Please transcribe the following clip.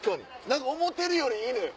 何か思うてるよりいいのよ。